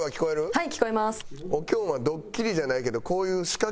はい。